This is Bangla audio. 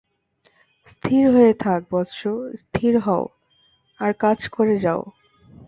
স্থির হয়ে থাক, বত্স! স্থির হও, আর কাজ করে যাও।